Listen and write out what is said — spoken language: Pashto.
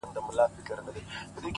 پر وظیفه عسکر ولاړ دی تلاوت کوي ـ